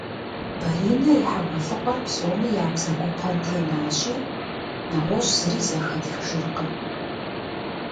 Баринэ и хьэгъуэлӏыгъуэр псоми я бзэгупэм тенащи, нэгъуэщӏ зыри зэхэтхыжыркъым.